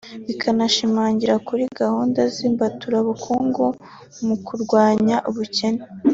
bikanashingira kuri gahunda z’imbaturabukungu mu kurwanya ubukene